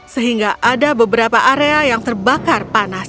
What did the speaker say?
sehingga ada beberapa area yang terbakar panas